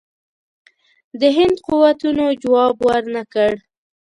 د هند قوتونو جواب ورنه کړ.